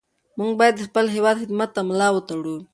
موږ باید د خپل هېواد خدمت ته ملا وتړو.